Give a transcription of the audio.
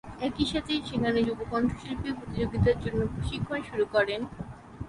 একই সাথে সেখানে যুব কণ্ঠশিল্পী প্রতিযোগিতার জন্য প্রশিক্ষণ শুরু করেন।